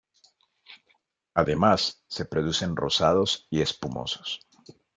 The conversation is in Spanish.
Además, se producen rosados y espumosos.